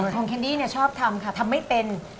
ของแคนดี้ชอบทำที่ทำไม่เป็น